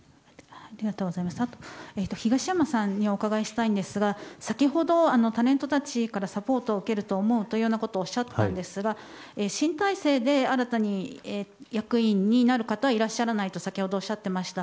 東山さんにお伺いしたいんですが先ほど、タレントたちからサポートを受けると思うとおっしゃっていたんですが新体制で新たに役員になる方はいらっしゃらないと先ほど、おっしゃっていました。